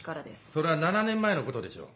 それは７年前のことでしょう。